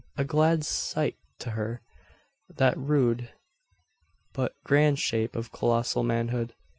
A glad sight to her that rude, but grand shape of colossal manhood.